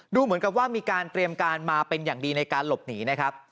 เหมือนกับว่ามีการเตรียมการมาเป็นอย่างดีในการหลบหนีนะครับ